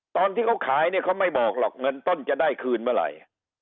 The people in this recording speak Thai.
ตอนที่เขาขายเนี่ยเขาไม่บอกหรอกเงินต้นจะได้คืนเมื่อไหร่